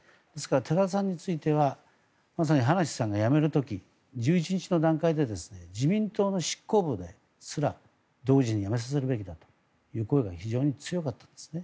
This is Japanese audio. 寺田さんについては葉梨さんが辞める時１１日の段階で自民党の執行部ですら同時に辞めさせるべきだという声が非常に強かったんですね。